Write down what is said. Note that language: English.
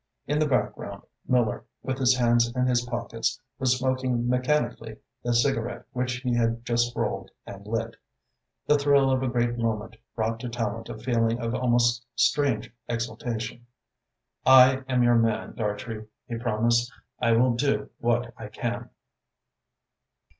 In the background, Miller, with his hands in his pockets, was smoking mechanically the cigarette which he had just rolled and lit. The thrill of a great moment brought to Tallente a feeling of almost strange exaltation. "I am your man, Dartrey," he promised. "I will do what I can."